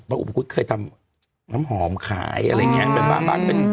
เป็นอุปกุฎเคยทำน้ำหอมขายอะไรอย่างเงี้ย